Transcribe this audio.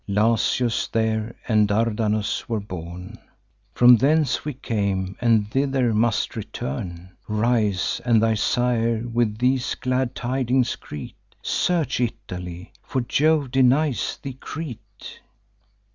Jasius there and Dardanus were born; From thence we came, and thither must return. Rise, and thy sire with these glad tidings greet. Search Italy; for Jove denies thee Crete.